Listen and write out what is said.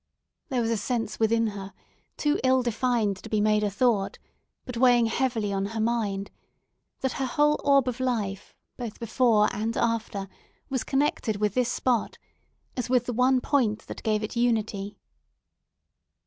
There was a sense within her—too ill defined to be made a thought, but weighing heavily on her mind—that her whole orb of life, both before and after, was connected with this spot, as with the one point that gave it unity.